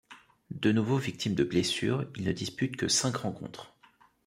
De nouveau victime de blessures, il ne dispute que cinq rencontres.